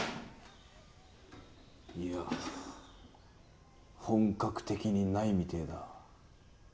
いや本格的にないみてえだ。